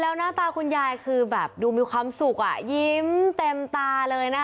แล้วหน้าตาคุณยายคือแบบดูมีความสุขอ่ะยิ้มเต็มตาเลยนะคะ